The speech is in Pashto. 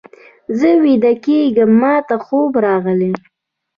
زه ویده کېږم، ماته خوب راغلی.